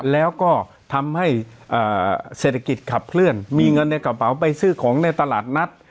แล้วก็ทำให้เศรษฐกิจขับเคลื่อนมีเงินในกระเป๋าไปซื้อของในตลาดนัด